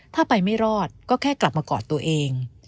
ถ้าไปไม่รอดก็แค่กลับมากอดตัวเอง